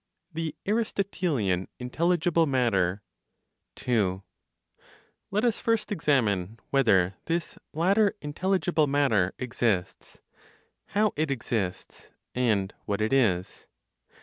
THE ARISTOTELIAN INTELLIGIBLE MATTER. 2. Let us first examine whether this (latter intelligible) matter exists, how it exists, and what it is.